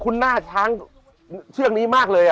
คุณหน้าช้างเชือกนี้มากเลย